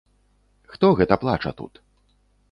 Хто гэта плача тут?